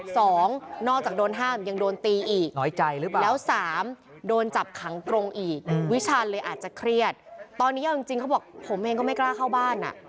สองนอกจากโดนห้ามยังโดนตีอีกน้อยใจหรือเปล่าแล้วสามโดนจับขังตรงอีกวิชาณเลยอาจจะเครียดตอนนี้เอาจริงเขาบอกผมเองก็ไม่กล้าเข้าบ้านอ่ะ